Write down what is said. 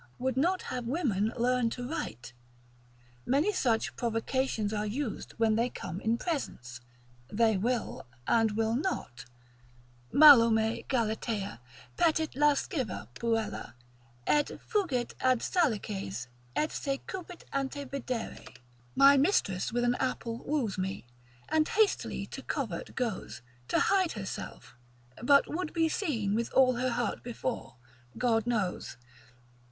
would not have women learn to write. Many such provocations are used when they come in presence, 10 they will and will not, Malo me Galatea petit lasciva puella, Et fugit ad salices, et se cupit ante videri. My mistress with an apple woos me, And hastily to covert goes To hide herself, but would be seen With all her heart before, God knows.